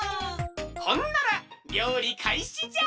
ほんならりょうりかいしじゃ！